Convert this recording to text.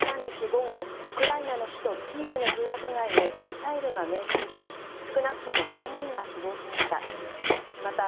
午後、ウクライナの首都キーウの住宅街にミサイルが命中し少なくとも３人が死亡しました。